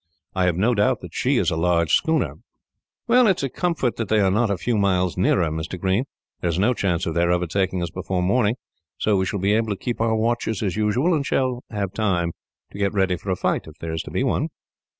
I have no doubt that she is a large schooner." "Well, it is a comfort that they are not a few miles nearer, Mr. Green. There is no chance of their overtaking us before morning, so we shall be able to keep our watches as usual, and shall have time to get ready for a fight, if there is to be one."